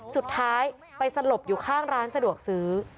สุดท้ายไปสลบอยู่ข้างร้านสะดวกซื้อ